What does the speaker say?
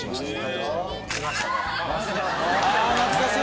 懐かしい！